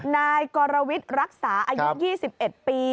นายกรวิทย์รักษาอายุ๒๑ปี